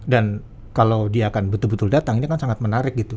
dan kalau dia akan betul betul datang ini kan sangat menarik gitu